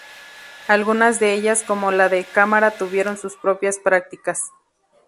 Algunas de ellas como la de cámara tuvieron sus propias prácticas.